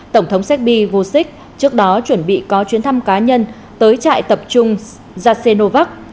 tổng thống segb vucic trước đó chuẩn bị có chuyến thăm cá nhân tới trại tập trung jasenovac